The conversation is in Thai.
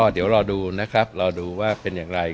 เดี๋ยวรอดูนะครับรอดูว่าเป็นอย่างไร